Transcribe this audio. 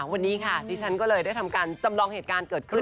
วันนี้ค่ะดิฉันก็เลยได้ทำการจำลองเหตุการณ์เกิดขึ้น